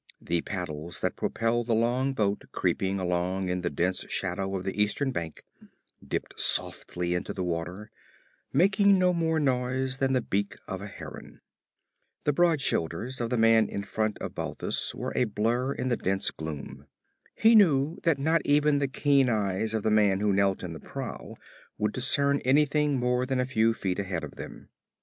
The paddles that propelled the long boat creeping along in the dense shadow of the eastern bank dipped softly into the water, making no more noise than the beak of a heron. The broad shoulders of the man in front of Balthus were a blur in the dense gloom. He knew that not even the keen eyes of the man who knelt in the prow would discern anything more than a few feet ahead of them.